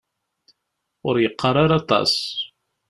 Ur yeqqar ara aṭas.